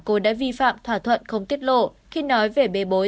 cô đã vi phạm thỏa thuận không tiết lộ khi nói về bê bối